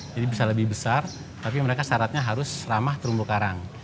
jadi bisa lebih besar tapi mereka syaratnya harus ramah kerumbu karang